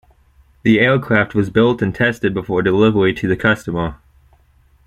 The aircraft was built and tested before delivery to the customer.